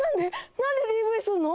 何でＤＶすんの？